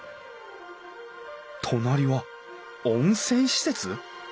隣は温泉施設？